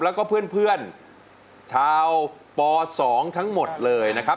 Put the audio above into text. แล้วก็เพื่อนชาวป๒ทั้งหมดเลยนะครับ